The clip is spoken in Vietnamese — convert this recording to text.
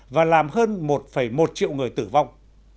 và làm hơn một một triệu người tử vong